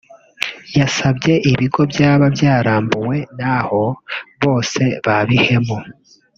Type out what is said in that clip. yasabye ibigo byaba byarambuwe n’aho bose ba bihemu